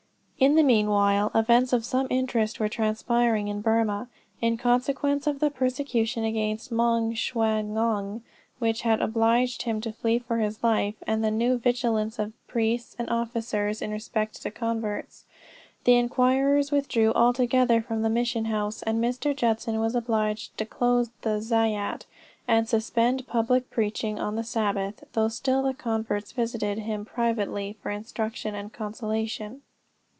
In the meanwhile events of some interest were transpiring in Burmah. In consequence of the persecution against Moung Shwa gnong which had obliged him to flee for his life, and the new vigilance of priests and officers in respect to converts, the inquirers withdrew altogether from the mission house, and Mr. Judson was obliged to close the zayat, and suspend public preaching on the Sabbath, though still the converts visited him privately, for instruction and consolation.